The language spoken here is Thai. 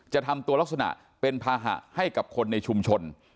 จะทำตัวลักษณะเป็นภาหะให้กับคนในชุมชน